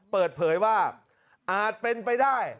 เผยว่าอาจเป็นไปได้